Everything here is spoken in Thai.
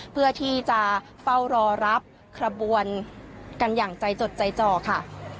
เพื่อที่จะเฝ้ารอรับขบวนกันอย่างใจจดใจจ่อค่ะ